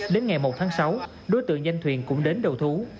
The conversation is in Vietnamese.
đến ngày một tháng sáu đối tượng danh thuyền cũng đến đầu thú